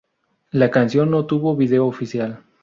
La canción no tuvo video oficial.